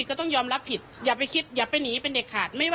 เสพยาเสพติดเข้าไปด้วยไม่อย่างนั้นคงไม่เจอ